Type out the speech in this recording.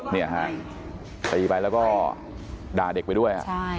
เนี่ยฮะตีไปแล้วก็ด่าเด็กไปด้วย